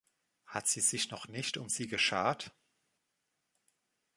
Hat sie sich noch nicht um Sie geschart?